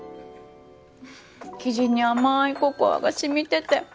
生地に甘いココアが染みてて。